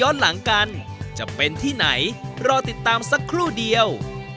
หลังกันจะเป็นที่ไหนรอติดตามสักครู่เดียว